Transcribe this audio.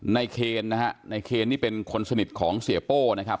นายเคนนะฮะนายเคนนี่เป็นคนสนิทของเซโป้นะครับ